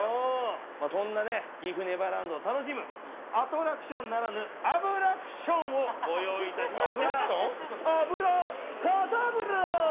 そんな岐阜ネバーランドを楽しむアトラクションならぬ脂クションをご用意しました。